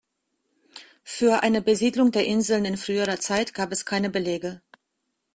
Für eine Besiedlung der Inseln in früherer Zeit gibt es keine Belege.